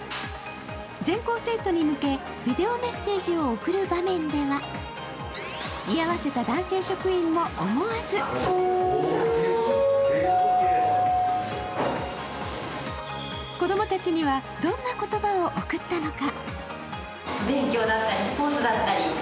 全校生徒に向け、ビデオメッセージを送る場面では居合わせた男性職員も、思わず子供たちにはどんな言葉を送ったのか。